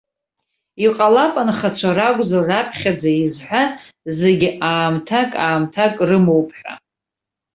Иҟалап анхацәа ракәзар раԥхьаӡа изҳәаз зегьы аамҭак-аамҭак рымоуп ҳәа.